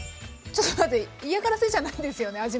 ちょっと待って嫌がらせじゃないですよね？